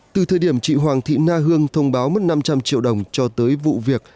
từ thời điểm chị hoàng thị na hương thông báo mất năm trăm linh triệu đồng cho tới vụ việc